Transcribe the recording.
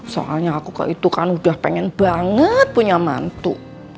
soalnya aku itu kan udah pengen banget punya mantu